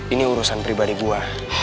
ini urusan pribadi gue